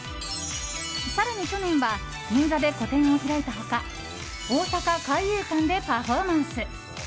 更に去年は銀座で個展を開いた他大阪・海遊館でパフォーマンス。